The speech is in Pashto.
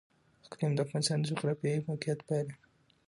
اقلیم د افغانستان د جغرافیایي موقیعت پایله ده.